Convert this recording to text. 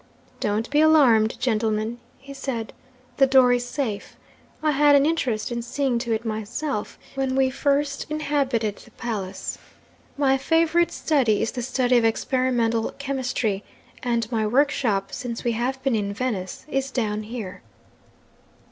"Don't be alarmed, gentlemen," he said; "the door is safe. I had an interest in seeing to it myself, when we first inhabited the palace. My favourite study is the study of experimental chemistry and my workshop, since we have been in Venice, is down here."